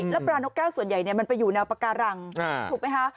แล้วปลานกแก้วส่วนใหญ่มันไปอยู่แนวปาการังถูกไหมคะ